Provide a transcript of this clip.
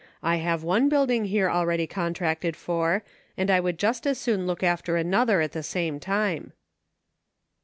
I have one building here already contracted for, and I would just as soon look after another at the same time."